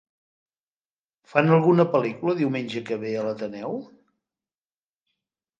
Fan alguna pel·lícula diumenge que ve a l'Ateneu?